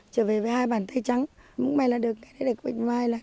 trở về với hai bàn tay trắng mũi mẹ là được cái này là bệnh vai lại